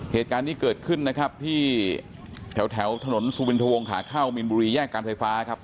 เหตุการณ์นี้เกิดขึ้นนะครับที่แถวถนนสุวินทวงขาเข้ามีนบุรีแยกการไฟฟ้าครับ